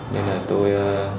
nên là tôi